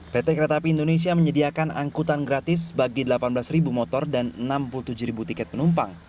pt kereta api indonesia menyediakan angkutan gratis bagi delapan belas motor dan enam puluh tujuh ribu tiket penumpang